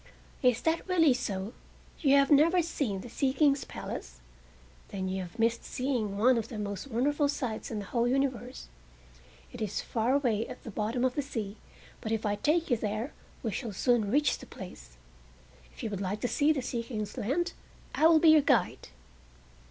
"Is that really so? You have never seen the Sea King's Palace? Then you have missed seeing one of the most wonderful sights in the whole universe. It is far away at the bottom of the sea, but if I take you there we shall soon reach the place. If you would like to see the Sea King's land I will be your guide."